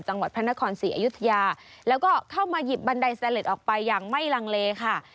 จังหวัดพระนครศรีอยุธยาแล้วก็เข้ามาหยิบบันไดแซนเล็ตออกไปอย่างไม่ลังเลค่ะ